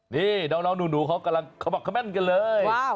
นี่น้องหนูเขากำลังคำแปลงกันเลย